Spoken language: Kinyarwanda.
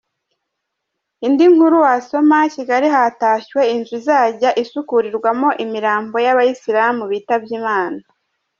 Indi nkuru wasoma:Kigali: Hatashywe inzu izajya isukurirwamo imirambo y’Abayisilamu bitabye Imana.